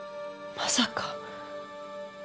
まさか。